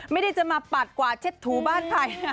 ไม่ได้จะมาปาดกวาดเช็ดถูบ้านใคร